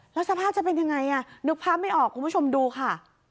แล้วสภาพจะเป็นยังไงนึกภาพไม่ออกคุณผู้ชมดูค่ะ